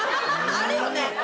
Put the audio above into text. あるよね？